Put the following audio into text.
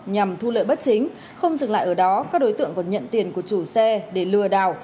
nhằm thu lợi bất chính không dừng lại ở đó các đối tượng còn nhận tiền của chủ xe để lừa đảo